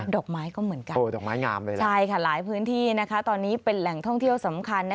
ดอกไม้ก็เหมือนกันดอกไม้งามเลยนะใช่ค่ะหลายพื้นที่ตอนนี้เป็นแหล่งท่องเที่ยวสำคัญ